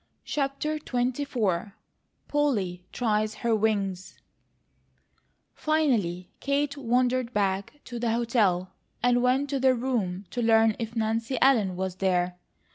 CHAPTER XXIV POLLY TRIES HER WINGS FINALLY Kate wandered back to the hotel and went to their room to learn if Nancy Ellen was there.